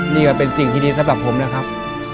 นี่ก็เป็นสิ่งที่ดีสำหรับผมนะครับ